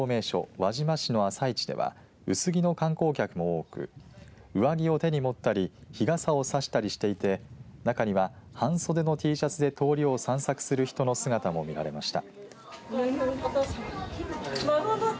輪島市の朝市では薄着の観光客も多く上着を手に持ったり日傘を差したりしていて中には半袖のＴシャツで通りを散策する人の姿も見られました。